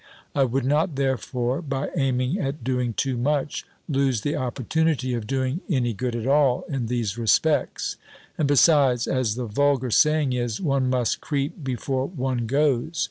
I would not, therefore, by aiming at doing too much, lose the opportunity of doing any good at all in these respects; and besides, as the vulgar saying is, One must creep before one goes.